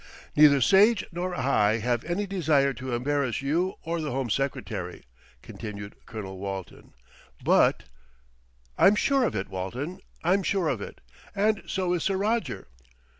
"Neither Sage nor I have any desire to embarrass you or the Home Secretary," continued Colonel Walton, "but " "I'm sure of it, Walton, I'm sure of it, and so is Sir Roger."